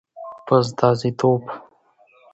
په استازیتوب